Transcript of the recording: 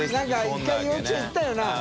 １回幼稚園行ったよな？